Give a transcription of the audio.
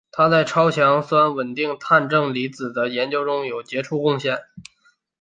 他在超强酸稳定碳正离子的研究中有杰出贡献。